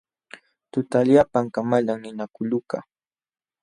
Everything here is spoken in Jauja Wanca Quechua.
Tutallapam kamalan ninakulukaq.